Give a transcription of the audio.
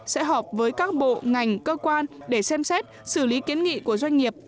sẽ họp với các bộ ngành cơ quan để xem xét xử lý kiến nghị của doanh nghiệp